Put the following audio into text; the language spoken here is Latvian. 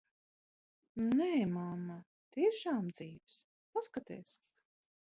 Nē, mamma, tiešām dzīvs. Paskaties.